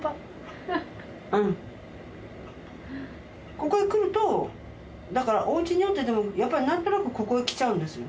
ここへ来るとだからおうちにおってでもやっぱりなんとなくここへ来ちゃうんですよ。